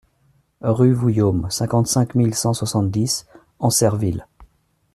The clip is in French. Rue Vouillaume, cinquante-cinq mille cent soixante-dix Ancerville